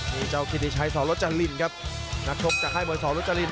นี่เจ้ากิริชัยสรรจรินครับนักชมกักให้หมวยสรรจริน